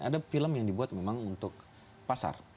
ada film yang dibuat memang untuk pasar